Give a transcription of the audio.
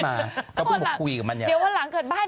มันก็ไม่มาเดี๋ยววันหลังเกิดบ้าน